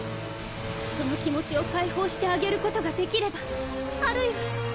その気持ちを解放してあげることができれば或いは。